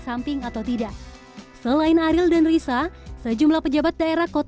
samping atau tidak selain ariel dan risa sejumlah pejabat pejabat yang berada di rumah sakit